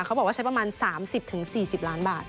เขาบอกว่าใช้ประมาณ๓๐๔๐ล้านบาท